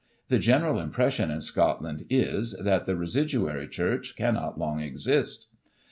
The general impression in Scotland is, that the residuary church cannot long exist.